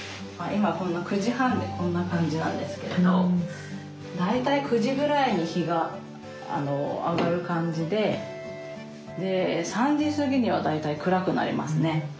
今９時半でこんな感じなんですけれど大体９時ぐらいに日が上がる感じでで３時過ぎには大体暗くなりますね。